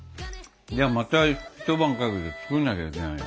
じゃあまた一晩かけて作んなきゃいけないよ。